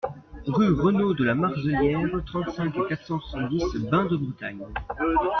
Rue Renault de la Marzelière, trente-cinq, quatre cent soixante-dix Bain-de-Bretagne